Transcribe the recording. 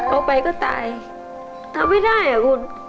เอาไปก็ตายทำไม่ได้อ่ะคุณ